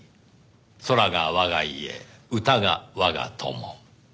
空が我が家歌が我が友」